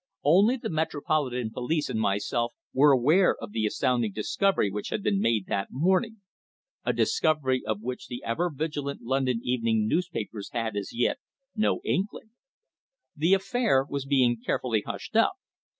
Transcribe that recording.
Only the Metropolitan Police and myself were aware of the astounding discovery which had been made that morning a discovery of which the ever vigilant London evening newspapers had as yet no inkling. The affair was being carefully hushed up.